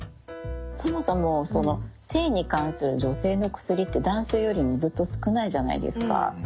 そもそもその性に関する女性の薬って男性よりもずっと少ないじゃないですか。